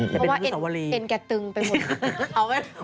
เพราะว่าเอ็นแกตึงไปหมด